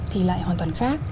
thì lại hoàn toàn khác